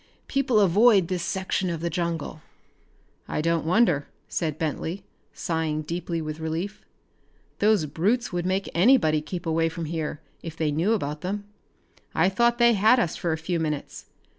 People avoid this section of the jungle." "I don't wonder," said Bentley, sighing deeply with relief. "Those brutes would make anybody keep away from here, if they knew about them. I thought they had us for a few minutes.